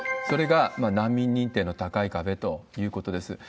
それが難民認定の高い壁ということです。